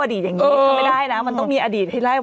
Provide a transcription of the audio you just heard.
ฟังลูกครับ